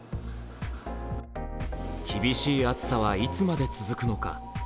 厳しい暑さはいつまで続くのか。